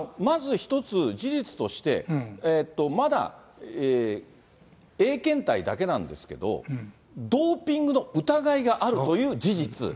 まず一つ、事実としてまだＡ検体だけなんですけれども、ドーピングの疑いがあるという事実。